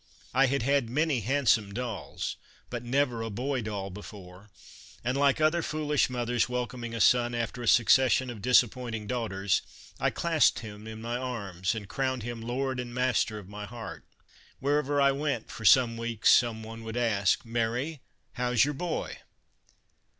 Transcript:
I had had many handsome dolls, but never a boy doll before, and like other foolish mothers welcoming a son after a succession of disappointing daughters I clasped him in my arms and crowned him lord and master of my heart. Wherever I went for some weeks some one would ask :" Mary, how 's your boy